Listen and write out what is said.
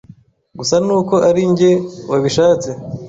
Gusa ni uko ari njye wabishatse,